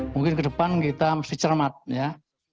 mungkin kedepan kita mesti cermat ya